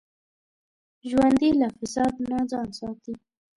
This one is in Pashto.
ژوندي له فساد نه ځان ساتي